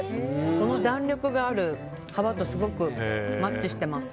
この弾力がある皮とすごくマッチしてます。